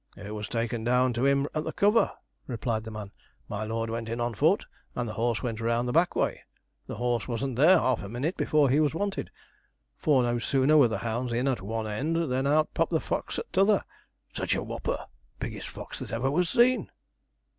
'It was taken down to him at the cover,' replied the man. 'My lord went in on foot, and the horse went round the back way. The horse wasn't there half a minute before he was wanted; for no sooner were the hounds in at one end than out popped the fox at t'other. Sich a whopper! biggest fox that ever was seen.'